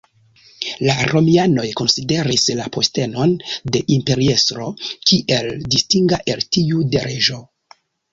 La Romianoj konsideris la postenon de imperiestro kiel distinga el tiu de reĝo.